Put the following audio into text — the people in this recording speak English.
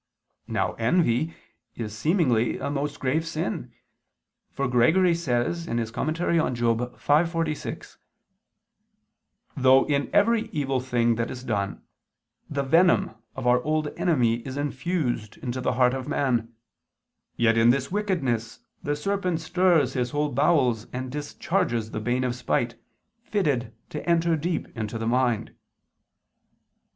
Now envy is seemingly a most grave sin, for Gregory says (Moral. v, 46): "Though in every evil thing that is done, the venom of our old enemy is infused into the heart of man, yet in this wickedness the serpent stirs his whole bowels and discharges the bane of spite fitted to enter deep into the mind."